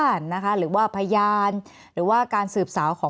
แอนตาซินเยลโรคกระเพาะอาหารท้องอืดจุกเสียดแสบร้อน